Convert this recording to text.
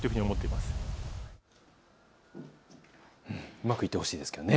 うまくいってほしいですね。